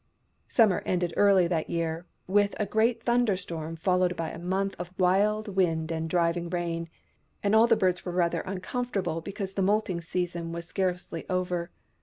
Summer ended early that year, with a great thunder storm, followed by a month of wild wind and driving rain : and all the birds were rather uncomfortable because the moulting season was scarcely over.